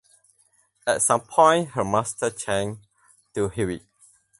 At some point her master changed to Hewitt.